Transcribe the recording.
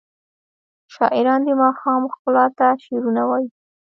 شاعران د ماښام ښکلا ته شعرونه وايي.